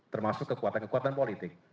termasuk kekuatan kekuatan politik